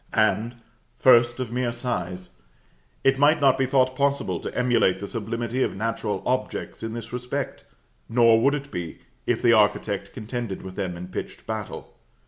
And, first of mere size: It might not be thought possible to emulate the sublimity of natural objects in this respect; nor would it be, if the architect contended with them in pitched battle.